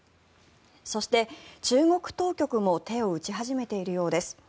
そして、中国当局も手を打ち始めているようです。